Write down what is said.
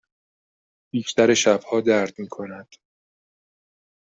بیشتر شبها درد می کند.